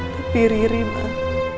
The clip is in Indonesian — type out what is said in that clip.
tapi riri mah